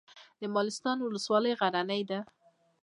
د مالستان ولسوالۍ غرنۍ ده